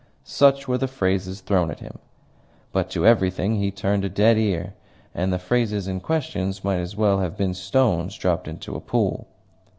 such were the phrases thrown at him. But to everything he turned a dead ear, and the phrases in question might as well have been stones dropped into a pool.